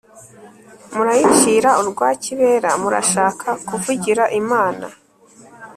Murayicira urwa kibera? Murashaka kuvugira Imana?